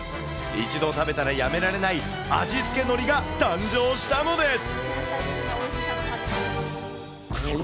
一度食べたらやめられない、味付け海苔が誕生したのです。